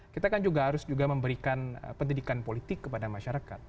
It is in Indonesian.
kita kan juga harus juga memberikan pendidikan politik kepada masyarakat